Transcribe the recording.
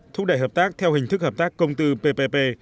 thúc đẩy hợp tác theo hình thức hợp tác công tư ppp